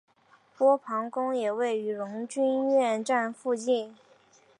波旁宫也位于荣军院站附近。